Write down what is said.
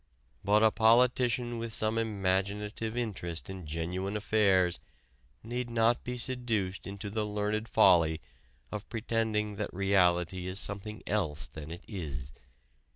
But a politician with some imaginative interest in genuine affairs need not be seduced into the learned folly of pretending that reality is something else than it is.